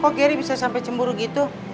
kok gary bisa sampai cemburu gitu